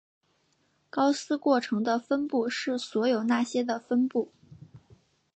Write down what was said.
高斯过程的分布是所有那些的分布。